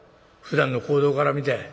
ふだんの行動から見て。